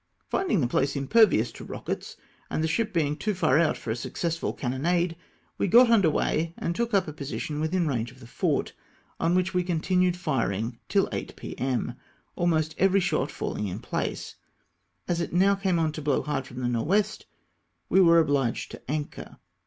Fiuduig the place impervious to rockets, and the ship bemg too far out for a successful cannonade, we got under weigh, and took up a position witliin range of the fort, on which we continued firing till 8 p.m., almost every shot falling in the place. As it now came on to blow hard from the N.W., we were obliged to anchor.